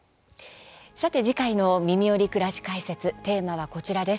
さて、次回の「みみより！くらし解説」テーマはこちらです。